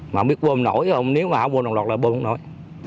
mà không biết bơm nổi không nếu mà không bơm đồng loạt là bơm không nổi